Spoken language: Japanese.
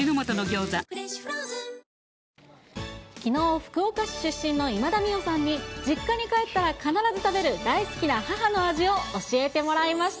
福岡市出身の今田美桜さんに、実家に帰ったら必ず食べる、大好きな母の味を教えてもらいました。